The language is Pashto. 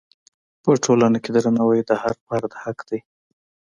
په ټولنه کې درناوی د هر فرد حق دی.